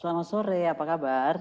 selamat sore apa kabar